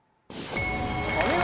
お見事！